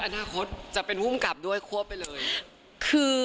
คืออนาคตจะเป็นผู้อุ้มกับด้วยคือไปเลย